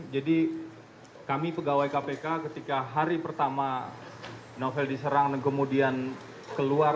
jadi kami pegawai kpk ketika hari pertama novel diserang dan kemudian keluar